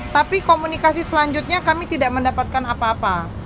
tapi komunikasi selanjutnya kami tidak mendapatkan apa apa